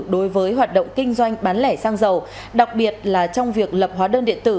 đối với hoạt động kinh doanh bán lẻ xăng dầu đặc biệt là trong việc lập hóa đơn điện tử